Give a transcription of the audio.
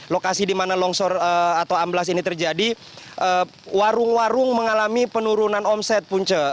lokasi di mana longsor atau amblas ini terjadi warung warung mengalami penurunan omset punce